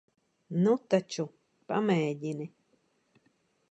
Nu taču, pamēģini.